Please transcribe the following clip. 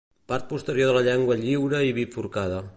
Part posterior de la llengua lliure i bifurcada.